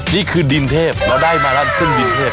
นี่คือดินเทพเราได้มาแล้วเส้นดินเทพ